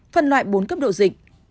phân loại bốn cấp độ dịch